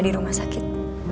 di rumah sakit